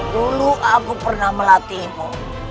dulu aku pernah melatihmu